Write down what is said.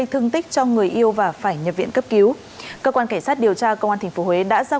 thương tích cho người yêu và phải nhập viện cấp cứu cơ quan cảnh sát điều tra công an tp huế đã ra